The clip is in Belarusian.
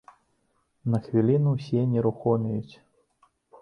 На хвіліну ўсе нерухомеюць.